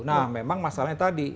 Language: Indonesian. nah memang masalahnya tadi